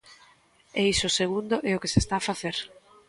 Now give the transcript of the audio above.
E iso segundo é o que se está a facer.